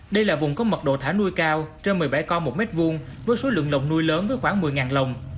đây là vùng có mật độ thả nuôi cao trên một mươi bảy con một m hai với số lượng lồng nuôi lớn với khoảng một mươi lồng